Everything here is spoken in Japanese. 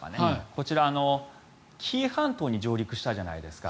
こちら、紀伊半島に上陸したじゃないですか。